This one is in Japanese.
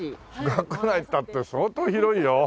学内っていったって相当広いよ。